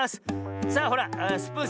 さあほらスプーンさん